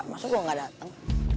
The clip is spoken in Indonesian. masuk gue gak dateng